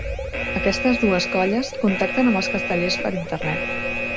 Aquestes dues colles contacten amb els castellers per internet.